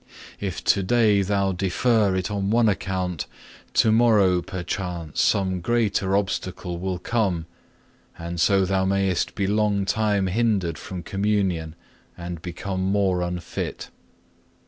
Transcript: If to day thou defer it on one account, to morrow perchance some greater obstacle will come, and so thou mayest be long time hindered from Communion and become more unfit.